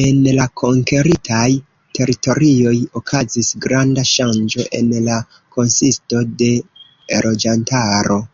En la konkeritaj teritorioj okazis granda ŝanĝo en la konsisto de loĝantaro.